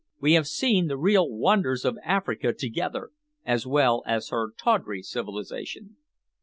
We have seen the real wonders of Africa together, as well as her tawdry civilisation."